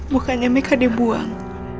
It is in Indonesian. bukannya mereka dibuang